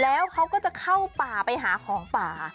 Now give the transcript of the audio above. แล้วเขาก็จะเข้าป่าไปหาของป่า